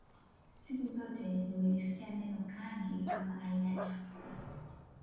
Siku zote nimelisikia neno Kange kama aina ya chakula